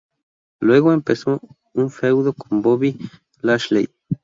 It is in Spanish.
Luego, empezó un feudo con Bobby Lashley.